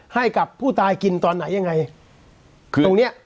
ให้กับผู้ตายกินตอนไหนยังไงคือตรงเนี้ย